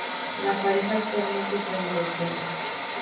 La pareja actualmente está divorciada.